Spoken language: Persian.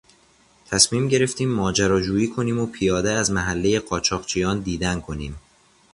تصمیم گرفتیم ماجراجویی کنیم و پیاده از محلهی قاچاقچیان دیدن کنیم.